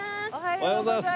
おはようございます。